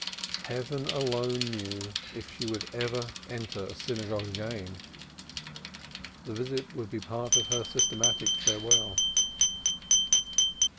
Heaven alone knew if she would ever enter a synagogue again the visit would be part of her systematic farewell.